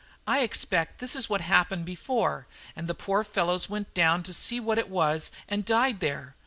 I expect this is what happened before, and the poor fellows went down to see what it was and died there.